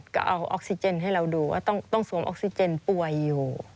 ก็เอาออกซิเจนให้เราดูว่าต้องสวมออกซิเจนป่วยอยู่